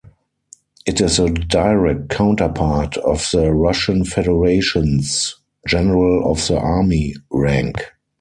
It is a direct counterpart of the Russian Federation's "general of the army" rank.